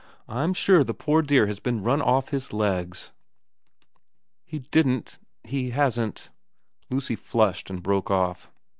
' I'm sure the poor dear has been run ofi his legs.' ' He didn't he hasn't ' Lucy flushed and broke off.